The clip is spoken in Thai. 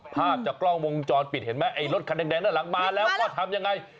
ภาพจากกล้องวงจรปิดเห็นไหมไอ้รถคันแดงด้านหลังมาแล้วก็ทำยังไง